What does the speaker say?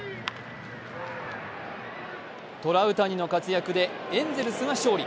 トラウタニの活躍でエンゼルスが勝利。